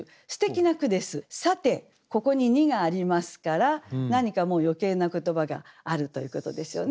さてここに「に」がありますから何かもう余計な言葉があるということですよね。